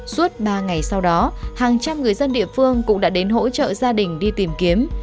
suốt ba ngày sau đó hàng trăm người dân địa phương cũng đã đến hỗ trợ gia đình đi tìm kiếm